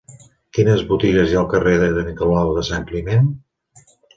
Quines botigues hi ha al carrer de Nicolau de Sant Climent?